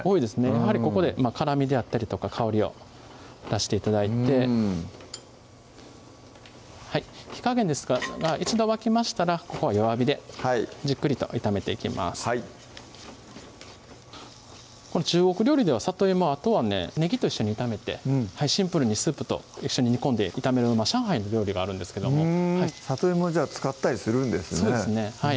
やはりここで辛みであったりとか香りを出して頂いて火加減ですが一度沸きましたらここは弱火でじっくりと炒めていきます中国料理ではさといもはあとはねねぎと一緒に炒めてシンプルにスープと一緒に煮込んで炒める上海の料理があるんですけどもふんさといも使ったりするんですね